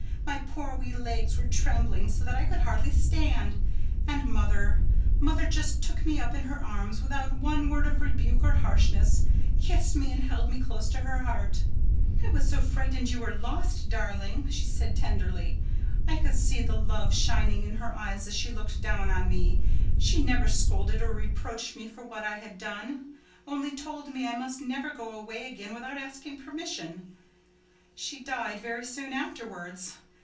My poor wee legs were trembling so that I could hardly stand. And mother—mother just took me up in her arms, without one word of rebuke or harshness, kissed me and held me close to her heart. 'I was so frightened you were lost, darling,' she said tenderly. I could see the love shining in her eyes as she looked down on me. She never scolded or reproached me for what I had done—only told me I must never go away again without asking permission. She died very soon afterwards.